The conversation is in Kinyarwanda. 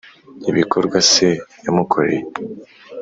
ibikorwa se yamukoreye.